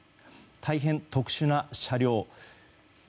大変特殊な車両。